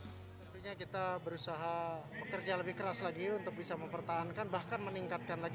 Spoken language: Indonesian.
tentunya kita berusaha bekerja lebih keras lagi untuk bisa mempertahankan bahkan meningkatkan lagi